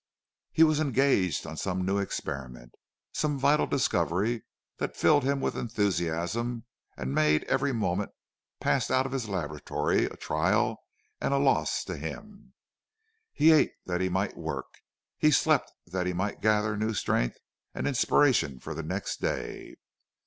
He was engaged on some new experiment, some vital discovery that filled him with enthusiasm and made every moment passed out of his laboratory a trial and a loss to him. He ate that he might work, he slept that he might gather new strength and inspiration for the next day.